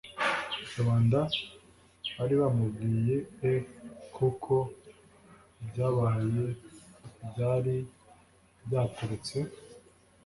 Rubanda bari bamubwiye e kuko ibyabaye byari byaturutse